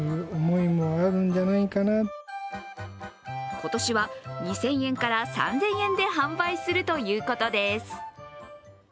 今年は２０００円から３０００円で販売するということです。